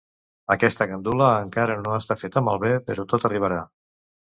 Aquesta gandula encara no està feta malbé, però tot arribarà.